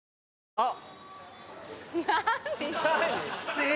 あっ！